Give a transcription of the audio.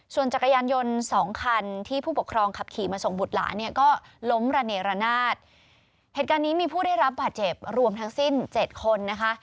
ส่วนจักรยานยนต์สองคันที่ผู้ปกครองขับขี่มาส่งบุตรหลานเนี่ยก็ล้มระเนรนาศเหตุการณ์นี้มีผู้ได้รับบาดเจ็บรวมทั้งสิ้นเจ็ดคนนะคะ